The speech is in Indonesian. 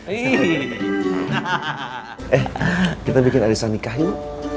eh kita bikin adisa nikah yuk